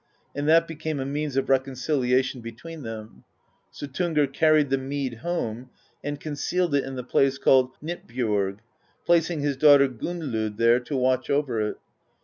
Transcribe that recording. And that became a means of reconciliation between them. Sut tungr carried the mead home and concealed it in the place called Hnitbjorg, placing his daughter Gunnlod there to watch over it.